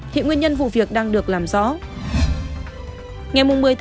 hiện nguyên nhân vụ việc đang được làm rõ